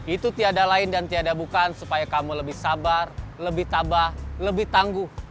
itu tiada lain dan tiada bukaan supaya kamu lebih sabar lebih tabah lebih tangguh